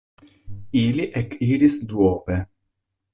Ili ekiris duope.